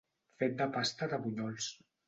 Fet de pasta de bunyols.